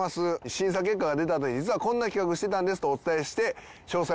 審査結果が出たあとに実はこんな企画をしてたんですとお伝えして詳細をお聞きしました。